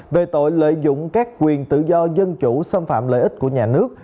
về tội lợi dụng các quyền tự do dân chủ xâm phạm lợi ích của nhà nước